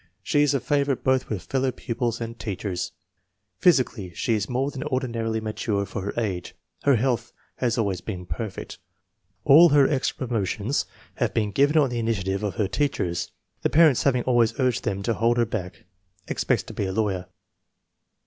She is a favorite both with fellow pupils and teachers. Physically she is more than ordinarily mature for her age. Her health has always been perfect. All her extra promo tions have been given on the initiative of her teachers, the parents having always urged them to hold her back. Expects to be a lawyer.